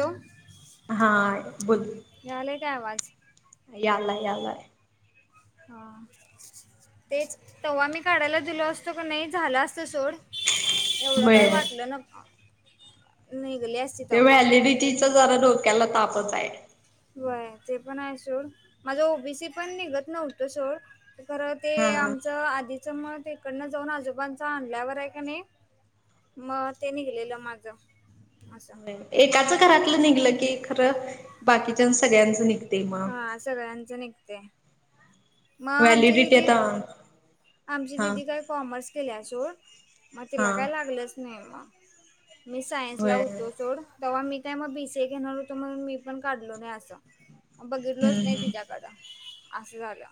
टो. Hi बोल की, यायलंय काय आवाज? यालाय, यालाय. हा तेच तव्हा मी काढायला दिलो असतो कणी झालं असतं सोड. एवढं होय काय वाटलं न निघली ते तव्हा वेएलेइडीटीच जरा डोक्याला तापच आहं. व्हंय ते पण आहं सोड माझं ओबीसी पण निघत नव्हतं सोड. खरं ते हा आमचं आधीचं म तिकनं जाऊन आजोबांच आणल्यावर आहे का नाही, म ते निघलेलं माझं. एकाचं घरातलं निघलं की खरं बाकीच्या सगळ्यांचं निघ हा सगळ्यांच निघतंय मग आमची व्हॅलिडिटी दिदी, आता आमची हा दिदी काय कॉमर्स केलीया सोड मग हा तिला काय लागलंच नाही म. मी सायन्सला होय हूतो सोड. तव्हा मी काय मग बीसीए घेणार होतो म्हणून मी पण काढलो नाही असं बघितलोच नाही हम्म तिच्या असं झालं.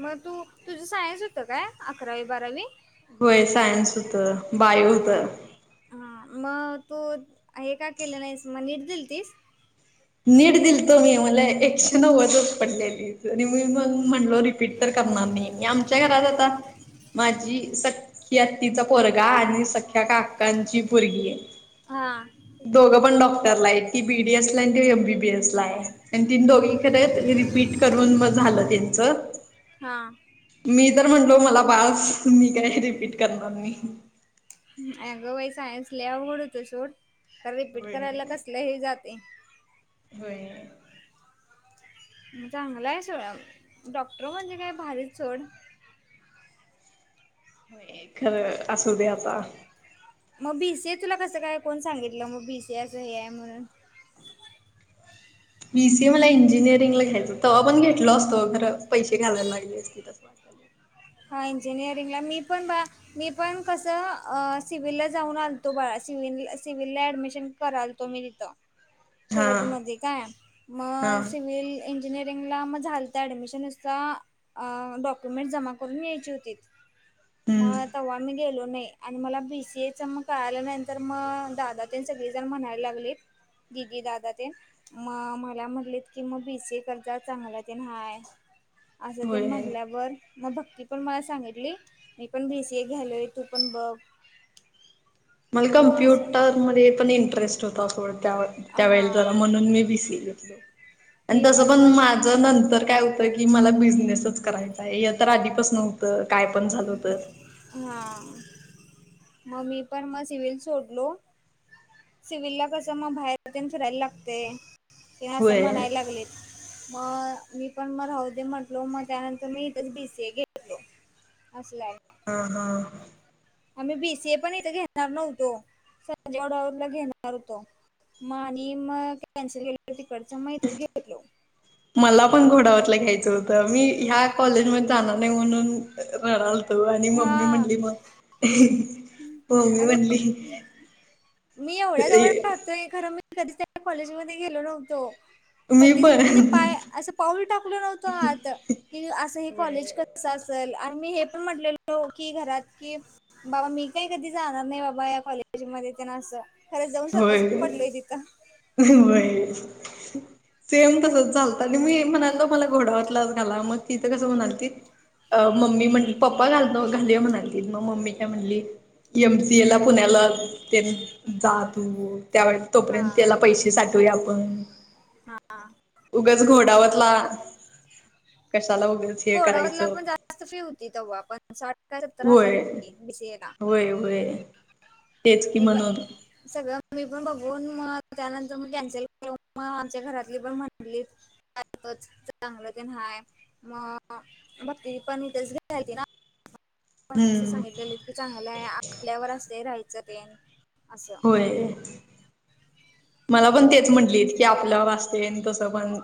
मग तू तुझं सायन्स होतं काय अकरावी बारावी? होय सायन्स होतं. बायो होतं. हां मग तू हे का केली नाहीस मग नीट दिलतीस? नीट दिलतो मी मला ऐकशे नव्वदच पडलेली. मी मग म्हणलो रिपीट तर करणार नाही आमच्या घरात आता, माझी सख्खी आत्तीचा पोरगा आणि सख्या काकांची पोरगी आहं. हा. दोघपण डॉक्टरला आहं ती बीडीएसला आणि तो एमबीबीएस. ल्या आणं त्यांनी दोघीकडं रिपीट करून म झालं त्यांच. हां मी तर म्हणलो मला बास मी काय रिपीट करणार नाही. अगं बाई सायन्स लई अवघड होतय सोड खरं रिपीट होय करायला कसलं हे जातंय. होय. म चांगल आहं सोयम डॉक्टर म्हणजे काय भारीच सोड. होय खरं असूदे आता. मग बी सी ए तुला कसं काय कोण सांगितलं मग बी सी असं हे आहे म्हणून? बीसीए मला इंजिनिअरिंग ला घ्यायचं तव्हा पण घेतलो असतो खरं पैसे घालायला लागले असते. तिथंच वाटालंय. हा इंजिरींगला मी पण बा मी पण कसं सिव्हिलला जाऊन आलतो बाळा सिव्हल सिव्हिलला ऍडमिशन करा होतो मी तिथ हा शरद मधी काय हा मग सिव्हील, इंजिनिअरिंगला मग झालत ऍडमिशन नुसता डॉक्युमेंट् जमा, करून यायची होतीत म हम्म अ तव्हा मी गेलो नाही. आणि मला बीसीए च मग कळाल्या नंतर मग दादा तेण सगळीजण म्हणायला लागलीत, दिदी दादा तेण. मग मला म्हटलेत की मग बीसीए तेण करजा चांगलं ते हाय. असं ते होय. म्हंटल्यावर, म भक्ती पण मला सांगितली मी पण बीसीए घ्यायलोय तू पण बघ. मला मग असं कम्प्युटरमध्ये पण इंटरेस्ट होता सोडं त्या त्यावेळे जरा हां म्हणून मी बीसी घेतलो आणि मी तसं पण मग माझ नंतर काय की मला बिझनेसच करायचा आहे तर आधी पण नव्हतं काय पण झालं होत. हा मग मी पण मग सिवल सोडलो सिव्हिल ला कसं मग बाहेर तेम फिरायला लागते ते असं होय म्हणायला लागलेत. मग मी पण मग राहुदे म्हटलो मग त्यानंतर मी इथेच बीसीए घेतलो. असलंय हा हा आम्ही बीसीए पण इथे घेणार नव्हतो संजय घोडावतला घेणार होतो. मग आणि मग कॅन्सल केल्या तर तिकडच मग इथच घेेतलो. मला पण घोडावटला घ्यायचं होतं मी ह्या कॉलेज मध्ये जाणार नाही म्हणून रडायला आणि मम्मी म्हणली मग मम्मी अग म्हणली मी एवढ्या जवळ राहतो खरं मी मी कधीच त्या कॉलेजमध्ये गेलो नव्हतो. मी कधीच पण म्हणजे पाय असं पाऊल टाकल नव्हतो आत. कि असं हे होय कॉलेज कस असेल आणि मी हे पण म्हटलेलो की घरात कि बाबा मी काही कधी जाणार नाही बाबा या कॉलेजमध्ये ते ना असं खरंच जाऊन स्वतः होय पडलोय तिथं होय, सेम तसच झाल आणि मी म्हणाल मला घोडावतलाच खाला मग तिथं कसं म्हणाली मम्मी म्हटली पपा घालतो- घाली म्हणाली मग मम्मी काय म्हणली एमसीए ला पुण्याला ते जातू त्यावेळे हा तोपर्यंत त्याला पैसे साठवू आपण हा उगच घोडावतला कशाला उगच- हे घोडावतला करायचं पण जास्त फी होती तेव्हा पण साठ सत्तर हजार होय होती बीसीएला. होय. तेच की मिबा म्हणून सगळं मी पण बघून मग त्यानंतर मी कॅन्सल कर मग आमच्या घरातली पण म्हटली चांगलं ते नाय मग बघ त पण तेच घती ना. पण असं हम्म सांगितलेलं इतक चांगलं आहे आपल्यावर असं राहायचं तेन असं. ह आहे मला पण तेच म्हटलीत की आपलं वाचतेन तसं पण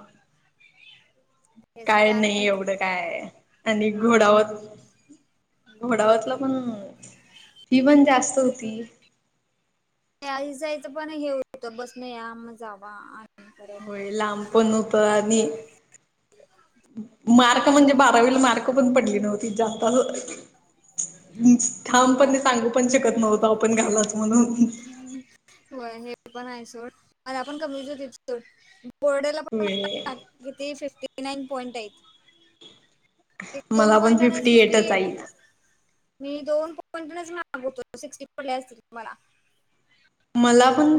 तेच मग काय त्यानंतर नाही एवढं काय आणि हा घोडावत घोडावतला पण फी पण जास्त होती. यायचं जायचं पण हे होतं बसन या मग जावा. आणि हो परत लांब पण असं हुत आनी मार्क म्हणजे बारावीला मार्क पण पडली नव्हती जास्त अस ठाम होय पण सांगू पण शकत नव्हतो आप आपण घालाच म्हणून. ह होय, हे पण आहे सोड मला पण कमीच होती बोर्डेला होय पण किती फिफ्टी नाईन पॉइंट आहे. एक दोन मला पण पॉइंट्यानीच फिफ्टी एटच मी आहेत मी दोन पॉईंटने माग होतो सिक्स्टी पडले असतील मला. मला पण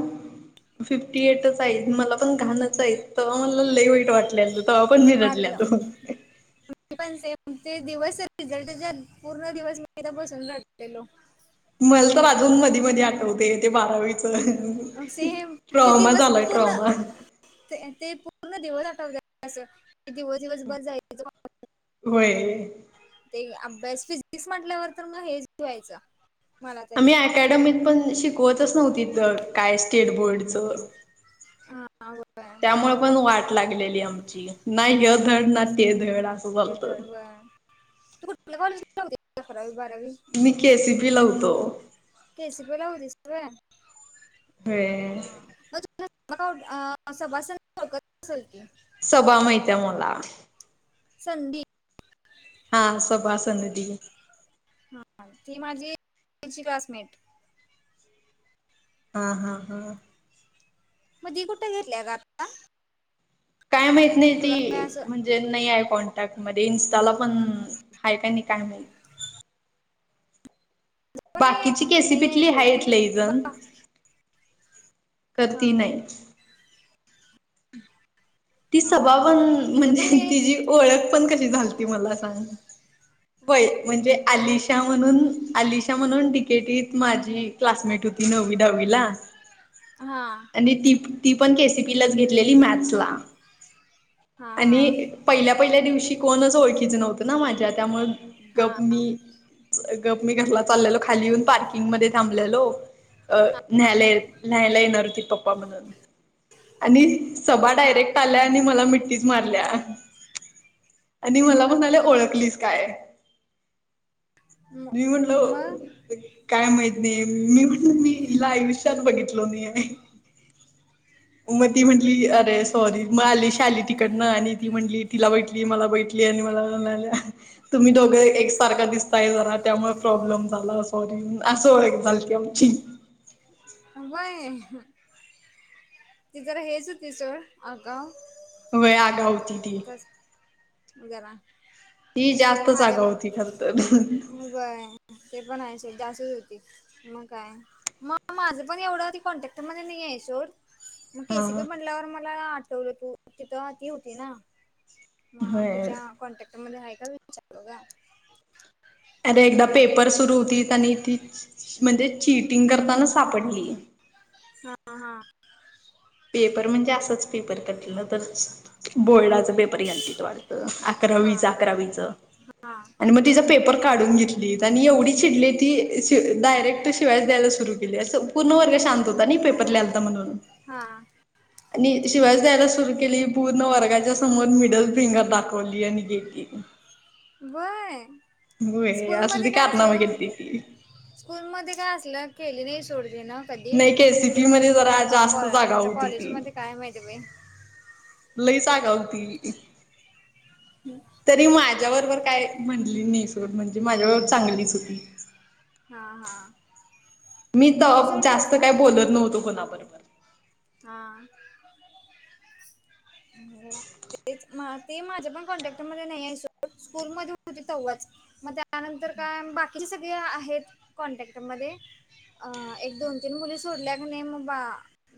फिफ्टी एटच आहेत मला पण घाणंच आहे तर मला लई वाईट वाटलेल. तेव्हा पण मी रडल्या मारलेलं तो. पण सेम ते दिवस रिझल्टच्या पूर्ण दिवस बाहेर बसून रडलेलो. मला तर अजून मधी मधी आठवते ते बारावीच. सेम ते ट्रॉमा दिवस झालाय पूर्ण ट्रॉमा. ते पूर्ण दिवस आठवतात असं दिवस दिवस भर जाय होय. ते अभ्यास फिजिक्स म्हटल्यावर, तर मग हेेचवायचा आम्ही अकॅडमिक पण शिकवतच नव्हती, तर काय स्टेट बोर्डचं. [unintelligible] [unintelligible] त्यामुळे पण वाट लागलेली आमची. ना य धड, ना तेच ते तर. धड असं ते झालतं. धड होय. तू कुठल्या कॉलेज होतीस अकरावी, बारावी? मी के सी पी ला होतो. के सी पी ला होतीस होय. हम्म. सभासी [unintelligible] सबा माहितिय मला संधी? हा, सबा, संधी. हा, ती माझी [unintelligible] क्लासमेट. हा हा हा. मग ती कुठे घेतल्या ग आता? काय माहित नाही तुला काय ती असं म्हणजे नाही आहे कॉन न्टॅक्ट मध्ये, इंस्टाला पण हाय का नाही? काय माहित? पण नाही बाकीची नाही आहे केसीपीतली सोड हायत ती लई जण बा खर हा. ती नाही. ती हा सबा हा पण माझ्या पण म्हणजे नाही तिची आहेत ओळख पण कशी झालती? मला सांग होय म्हणजे कधी आलिशा म्हणून आलिशा म्हणून डी के टीत माझी क्लासमेट होती नववी, दहावी ला. हा. आणि ती ती पण के सि पीलाच घेतलेली मॅथस ला. हा आणि हा पहिल्या पहिल्या दिवशी कोणच ओळखीचं नव्हतं ना माझ्या त्यामुळ गप हा मी गप मी घरला चाललेलो, खाली येऊन पार्किंग मध्ये थांबलेलो अ न्हायला न्हायला येणार होती पप्पा म्हणून आणि सबा हा डायरेक्ट आल्या आणि मिठ्ठिच मारल्या आणि मला म्हणाल्या, अगं वय ओळखलीस काय? मी म्हणलो मग काय माहीत नाही. मी म्हणल, मी हिला आयुष्यात बघितलो नाही मग ती म्हंटली, अरे सॉरी मग आलीशा आली तिकडनं आणि ती म्हटली तिला बघिटली, मला बघिटली आणि मला म्हणाल्या तुम्ही दोघे एकसारखा दिसताय जरा त्यामुळे प्रॉब्लेम झाला सॉरी, अस ओळख झालती आमची. व्हय? ती जरा हेच होती सोड आगाव. व्हय, आगाव होती ती. जरा ती जास्तच आगाव होती खर तर. होय ते पण आहे सोड जास्तच होती मग काय? म माझं पण एवढं ती कॉन्टॅक्ट मध्ये नाही आहे सोड मग के हा सी पी म्हंटल्यावर मला आठवलं तू तिथं ती होती ना, मग व्हय. तुझ्या कॉन्टॅक्ट मध्ये हाय का? विचारलो गं अरे एकदा पेपर सुरू होतीत आणि ती म्हणजे चिटिंग करताना सापडली हा हा पेपर म्हणजे असंच पेपर कटलं तर बोर्डाच पेपर घ्यालतीत वाटतं हा अकरावीचं अकरावीचं हा आणि मग तिचा पेपर काढून घेतलीत आणि एवढी चिडले ती शि डायरेक्ट शिव्याचं द्यायला सुरू केली असं पूर्ण वर्ग शांत होता नाही पेपर ल्ह्यालता म्हणून हा आणि शिव्याच द्यायला सुरु केली पूर्ण वर्गाच्या समोर मिडल फिंगर दाखवली आणि गेली. व्हय होय स्कूल मध्ये असली काय असले कारनामा केलती ती. नव्ह स्कूल मध्ये काय असलं केली नाही सोड तीनं कधी नाही केसीपी मध्ये जरा अ कॉ जास्तच आगाऊ आता होती कॉलेज ती मध्ये काय माहित बाई? लईच आगाव होती कि हम्म तरी माझ्याबरोबर काय म्हणली नाही सोड म्हणजे माझ्याबरोबर चांगलीच होती. हा हा मी होती तवा सोड जास्त त्याचं काय बोलत नव्हतो कुणाबर. हा तेच म ती माझ्या पण कॉन्टॅक्ट मध्ये नाही हाय सोड स्कूल मध्ये होती तवाच मग त्यानंतर काय बाकीची सगळे आहेत कॉन्टॅक्ट मधे अ एक दोन-मुली सोडल्या कणी मग बा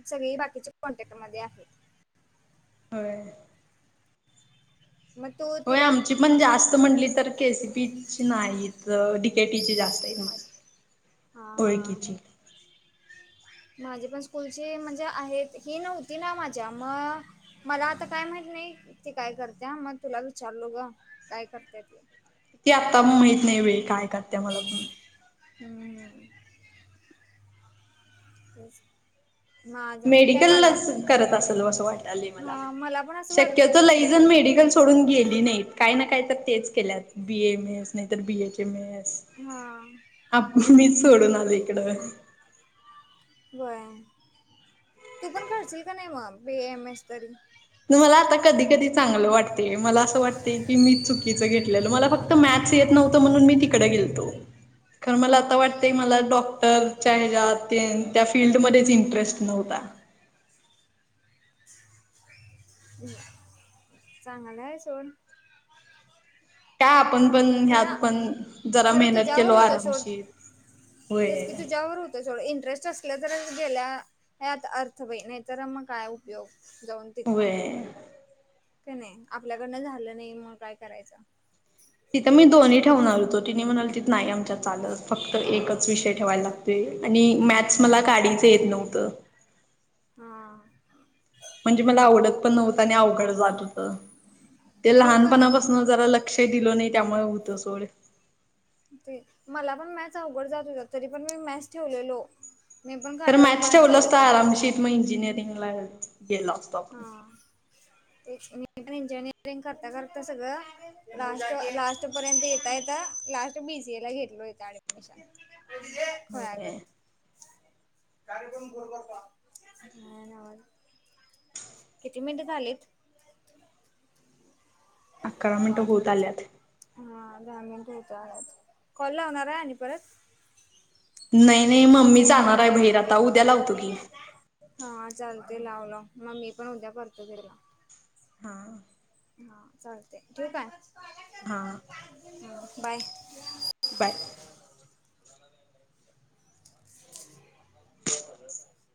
सगळी बाकीची कॉन्टॅक्ट मध्ये आहेत. होय. मग तो होय तिला आमची पण हा जास्त म्हटली तर के सी पीची नाहीत डि के टीची जास्त आहेत माझ हा हा. माझी पण स्कूलची म्हणजे आहेत ही नव्हती ना माझ्या म मला आता काय माहित नाही ती काय करत्या म तुला विचारलो ग काय करत्या ते ती आत्ता महित नाही बाई काय करत्या मला पण. हम्म हम्म. तेच माझ मी काय बाला मेडिकललंच करत असंल असं वाटालय मला हा पण असं वाटतंय ती शक्यतो लईजण मेडिकलला मेडिकल सोडून गेली नाहीत काय ना काय तर तेच केल्यात बी ए एम एस नाही तर बी एच एम एस हा आपणच सोडून आलोय इकडं व्हय. तू पण करशील कणी मग बी ए एम एस तरी? मला आता कधी कधी चांगलं वाटते मला असं वाटतय की मी चुकीचं घेतलेलं मला फ क्त मॅथ्स येत नव्हतं म्हणून मी तिकडं गेलतो खरं मला हा आता वाटतं मला डॉ क्टर च्या ह्याच्या तेन त्या फिल्डमध्येच इंटरेस्ट नव्हता. चांगलं हाय सोड काय आपण पण ह्यात खरा पण जरा खरं मेहनत केलो तुझ्यावर होतं सोड आरामशीर. तेच होय की तुझ्यावर होतं सोड इंटरेस्ट असलं तर गेल्या यात अर्थ बाई नाही तर मग काय उपयोग जाऊन व्हय. कनाय. आपल्याकडनं झालं नाही. मग काय करायचं? तिथं मी दोन्ही ठेवणार होतो. तिने म्हणालति नाही आमच्या चालत. फक्त एकच विषय ठेवाय ला तय. आणि मॅथस मला काडीच येत नव्हतं. हा आ. म्हणजे मला आवडत पण नव्हतं आणि अवघड जात होतं. ते मी लहानपणाप पण सन जरा लक्ष ही दिलं नाही. त्यामुळे होतं सोड. ते. मला पण मॅथस अवघड जात होतं. तरी पण मी मॅथस ठेवलेलो. मी पण काटावर पास झालोय. म इंजनीयरिंगलाच गेलाव. हा आ. इंजिनिअरिंग करता करता सगळं. लास्ट- लास्ट पर्यंत येता- येता, लास्ट बी सी ए ला घेतलो इथं ऍडमिशन. होय आगं. काल कोण बोललं का? [unintelligible] किती मिनटं झालेत? अकरा मिनिटं होत आल्यात. हा दहा मिनिट होत आल्यात. कॉल लावणारय आणि परत. नाही- नाही, मम्मी जाणाराय बहीर. आता उद्या लावतो की. हा चालते, लाव - लाव. मग मी पण उद्या करतो तिला. हां. हा. चालतय. ठेऊ काय? हां. हा, बाय. बाय. [inaudible]